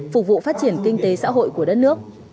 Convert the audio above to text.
phục vụ phát triển kinh tế xã hội của đất nước